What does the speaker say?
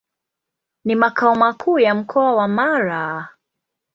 Ni makao makuu ya Mkoa wa Mara.